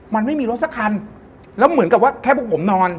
มันไม่มีรถสักคันแล้วเหมือนกับว่าแค่พวกผมนอน